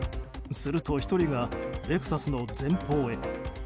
すると１人がレクサスの前方へ。